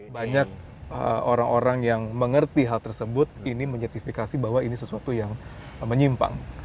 banyak orang orang yang mengerti hal tersebut ini menyetifikasi bahwa ini sesuatu yang menyimpang